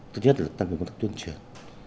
thứ nhất là tăng hưởng dựa các tuyên truyền